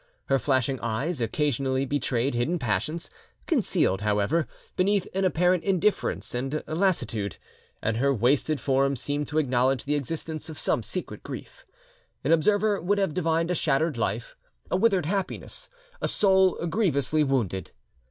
Her flashing eyes occasionally betrayed hidden passions, concealed, however, beneath an apparent indifference and lassitude, and her wasted form seemed to acknowledge the existence of some secret grief. An observer would have divined a shattered life, a withered happiness, a soul grievously wounded.